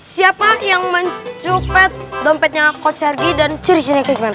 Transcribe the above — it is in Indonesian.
siapa yang mencupet dompetnya coach sergi dan ciri cirinya kayak gimana